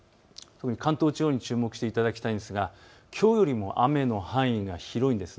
関東地方に注目していただきたいのですがきょうよりも雨の範囲が広いんです。